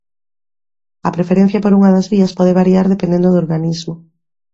A preferencia por unha das vías pode variar dependendo do organismo.